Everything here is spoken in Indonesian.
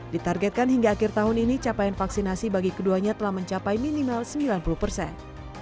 ditargetkan hingga akhir tahun ini capaian vaksinasi bagi keduanya telah mencapai minimal sembilan puluh persen